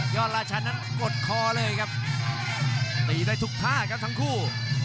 ราชันนั้นกดคอเลยครับตีได้ทุกท่าครับทั้งคู่